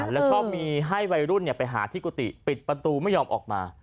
แล้วก็มีให้วัยรุ่นไปหาที่กุฏิปิดประตูไม่ยอมออกมา